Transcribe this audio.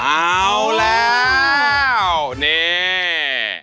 อ้าวแล้วนี่โอ้ย